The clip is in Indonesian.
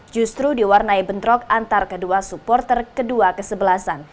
justru diwarnai bentrok antar kedua supporter kedua kesebelasan